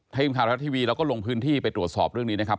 ทีมข่าวทรัฐทีวีเราก็ลงพื้นที่ไปตรวจสอบเรื่องนี้นะครับ